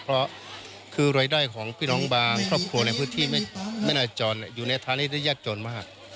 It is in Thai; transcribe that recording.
เพราะคือรายได้ของพี่น้องบางครอบครัวในพื้นที่ไม่นาจรอยู่ในทางนี้ได้ยากจนมาก